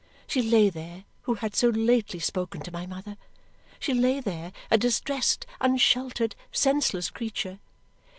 She lay there, who had so lately spoken to my mother. She lay there, a distressed, unsheltered, senseless creature.